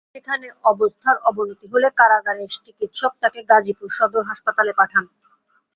সেখানে অবস্থার অবনতি হলে কারাগারের চিকিত্সক তাঁকে গাজীপুর সদর হাসপাতালে পাঠান।